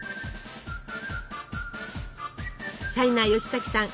シャイな吉崎さん